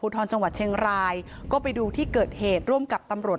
ทรจังหวัดเชียงรายก็ไปดูที่เกิดเหตุร่วมกับตำรวจ